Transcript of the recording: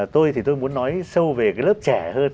tôi thì tôi muốn nói sâu về cái lớp trẻ hơn